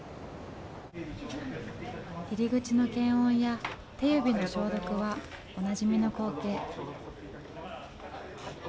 入り口の検温や手指の消毒はおなじみの光景。